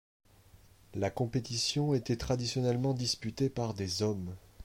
La compétition était traditionnellement disputée par des hommes.